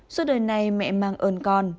suốt đời này mẹ mang ơn con